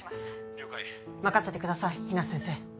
了解任せてください比奈先生